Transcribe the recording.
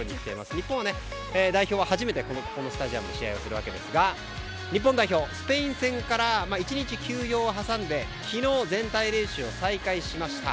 日本代表は初めてこのスタジアムで試合をするわけですが日本代表スペイン戦から１日休養を挟んで昨日、全体練習を再開しました。